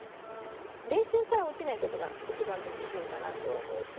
練習から落ちないことが一番の自信かなと思うし。